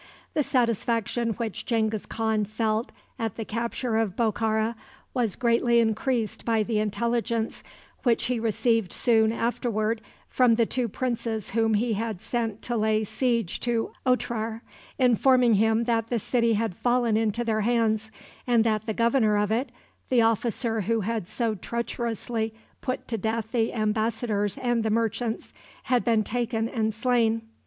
The satisfaction which Genghis Khan felt at the capture of Bokhara was greatly increased by the intelligence which he received soon afterward from the two princes whom he had sent to lay siege to Otrar, informing him that that city had fallen into their hands, and that the governor of it, the officer who had so treacherously put to death the embassadors and the merchants, had been taken and slain.